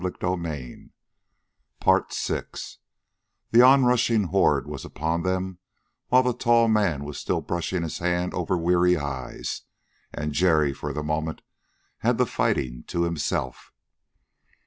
The onrushing horde was upon them while the tall man was still brushing his hand over weary eyes, and Jerry, for the moment, had the fighting to himself.